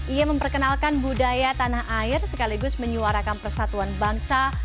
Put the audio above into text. ia memperkenalkan budaya tanah air sekaligus menyuarakan persatuan bangsa